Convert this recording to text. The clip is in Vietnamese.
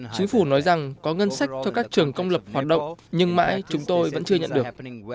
chính phủ nói rằng có ngân sách cho các trường công lập hoạt động nhưng mãi chúng tôi vẫn chưa nhận được